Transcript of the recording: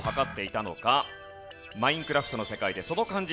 『マインクラフト』の世界でその漢字